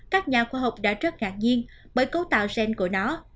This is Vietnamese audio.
các nhà khoa học đã rất ngạc nhiên bởi cấu tạo gen của nó